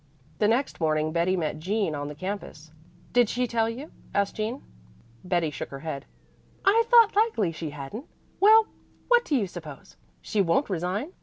The next morning Betty met Jean on the campus. "Did she tell you?" asked Jean. Betty shook her head. "I thought likely she hadn't. Well, what do you suppose? She won't resign.